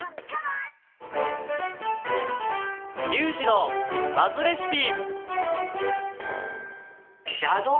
「リュウジのバズレシピ」！